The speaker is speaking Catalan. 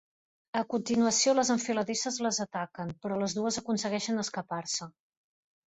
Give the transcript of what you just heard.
A continuació les enfiladisses les ataquen, però les dues aconsegueixen escapar-se.